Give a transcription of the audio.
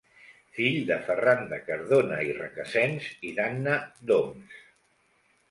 Fill de Ferran de Cardona i Requesens i d'Anna d'Oms.